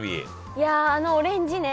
いやあのオレンジね。